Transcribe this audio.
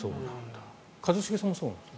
一茂さんもそうなんですか？